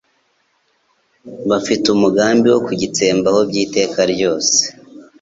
bafite umugambi wo kugitsembaho by'iteka ryose.